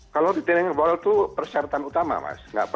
kalau retaining wall itu persyaratan utama mas